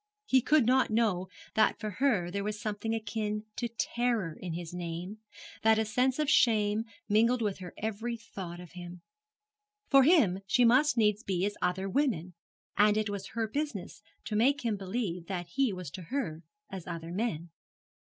He could not know that for her there was something akin to terror in his name, that a sense of shame mingled with her every thought of him. For him she must needs be as other women, and it was her business to make him believe that he was to her as other men.